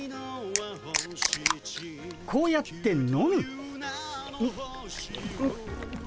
こうやって飲む。